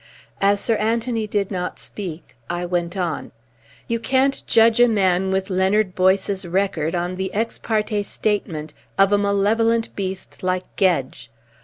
As Sir Anthony did not speak, I went on. "You can't judge a man with Leonard Boyce's record on the EX PARTE statement of a malevolent beast like Gedge.